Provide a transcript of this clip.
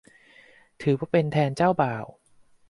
ซึ่งถือว่าเป็นแทนเจ้าบ่าว